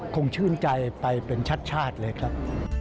คงชื่นใจไปเป็นชาติเลยครับ